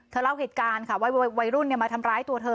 เล่าเหตุการณ์ค่ะวัยรุ่นมาทำร้ายตัวเธอ